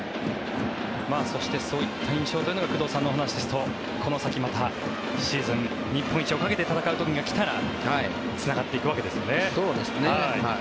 そして、そういった印象で工藤さんのお話ですとこの先、またシーズン日本一をかけて戦う時が来たらそうですね。